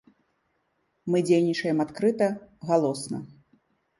Мы дзейнічаем адкрыта, галосна.